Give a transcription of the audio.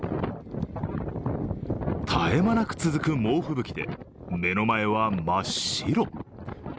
絶え間なく続く猛吹雪で目の前は真っ白。